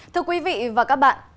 thưa quý vị và các bạn